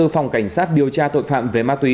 phòng cảnh sát điều tra tội phạm về ma túy